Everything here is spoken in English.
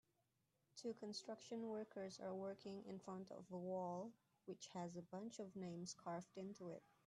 Two construction workers are working in front of a wall which has a bunch of names carved into it